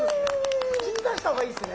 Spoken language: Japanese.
口に出した方がいいですね